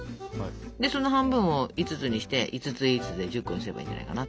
でその半分を５つにして５つ５つで１０個にすればいいんじゃないかな。